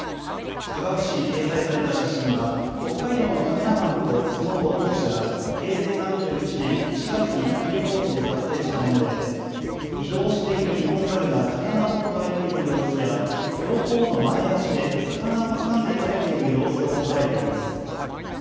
科学誌に掲載された写真は、北海道のカメラマンとその同行者が平成３１年１月に上高地で撮影したもので、移動しているニホンザルが魚をくわえている様子や、両方の前足で魚をつかんで食べている様子を捉えています。